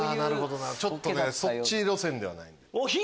ちょっとそっち路線ではない。